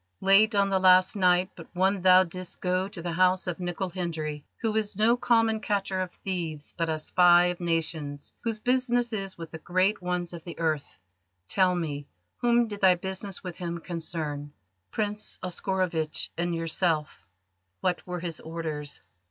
"Late on the last night but one thou didst go to the house of Nicol Hendry, who is no common catcher of thieves, but a spy of nations whose business is with the great ones of the earth. Tell me: whom did thy business with him concern?" "Prince Oscarovitch and yourself." "What were his orders?"